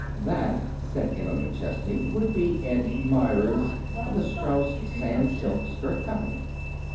"That," said Emma McChesney, "would be Ed Meyers, of the Strauss Sans silk Skirt Company."